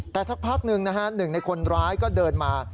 แต่สักพักหนึ่งนะฮะหนึ่งในคนร้ายก็เดินมา